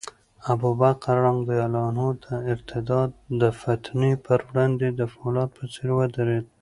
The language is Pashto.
ابوبکر رض د ارتداد د فتنې پر وړاندې د فولاد په څېر ودرېد.